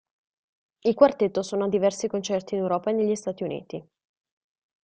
Il quartetto suona diversi concerti in Europa e negli Stati Uniti.